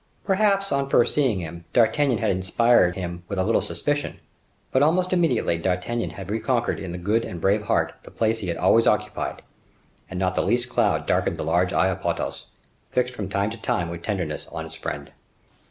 Perhaps, on first seeing him, D'Artagnan had inspired him with a little suspicion; but almost immediately D'Artagnan had reconquered in that good and brave heart the place he had always occupied, and not the least cloud darkened the large eye of Porthos, fixed from time to time with tenderness on his friend.